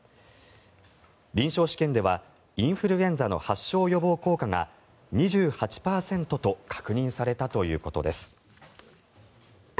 臨床試験ではインフルエンザの発症予防効果が２８％と確認されたということです。